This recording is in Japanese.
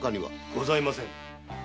ございませぬ。